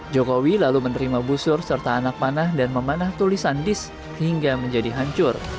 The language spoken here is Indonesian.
jokowi lalu menerima busur serta anak panah dan memanah tulisan dis hingga menjadi hancur